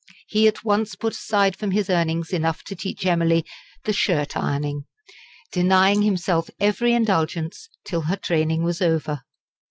He at once put aside from his earnings enough to teach Emily "the shirt ironing," denying himself every indulgence till her training was over.